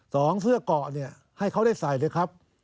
สองเสื้อเกาะเนี่ยให้เขาได้ใส่เลยครับ